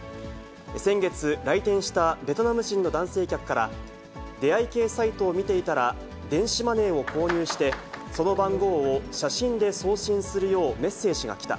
先月、来店したベトナム人の男性客から、出会い系サイトを見ていたら、電子マネーを購入して、その番号を写真で送信するようメッセージが来た。